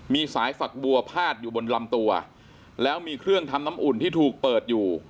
มีสายฝักบัวพาดอยู่บนลำตัวแล้วมีเครื่องทำน้ำอุ่นที่ถูกเปิดอยู่